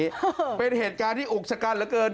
มันเป็นเหตุการณ์ที่อุกษกันเกิน